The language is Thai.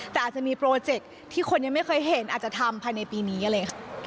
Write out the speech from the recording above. แต่อาจจะมีโปรเจคที่คนยังไม่เคยเห็นอาจจะทำภายในปีนี้เลยค่ะ